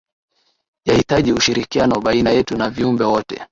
Yahitaji ushirikiano baina yetu na viumbe wote